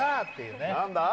っていうね。